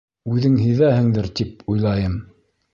— Үҙең һиҙәһеңдер, тип уйлайым.